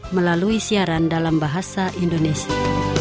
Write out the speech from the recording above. melalui siaran dalam bahasa indonesia